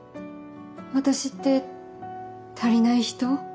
私って足りない人？